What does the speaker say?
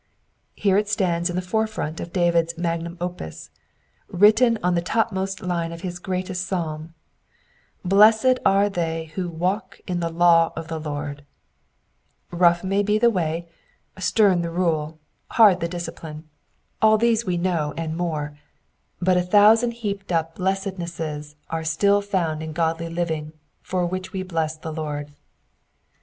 Here it stands in the forefront of David's magnum opus^ written on the topmost line of his greatest psalm —*^ Blessed abb thst who walk in the law of the Lord." Rough may be the way, stem the rule, hard the discipline, — all these we know and Digitized by VjOOQIC 14 EXPOSITIONS OP THE PSALMS. more, — ^but a thousand heaped up blessednesses are still found in godly living, for which we bless the Lord.